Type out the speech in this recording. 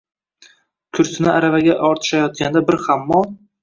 Kursini aravaga ortishayotganda, bir hammol